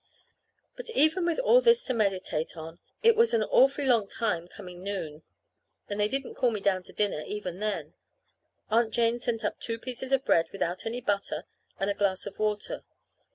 But even with all this to meditate on, it was an awfully long time coming noon; and they didn't call me down to dinner even then. Aunt Jane sent up two pieces of bread without any butter and a glass of water.